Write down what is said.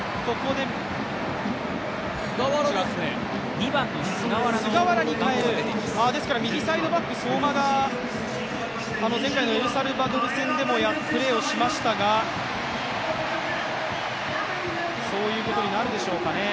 ですから最前線をかえる、そして森田にかえて右サイドバック、相馬が前回のエルサルバドル戦でもプレーをしましたが、そういうことになるでしょうかね。